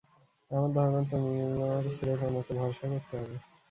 আমার ধারণা তোমার স্রেফ আমাকে ভরসা করতে হবে।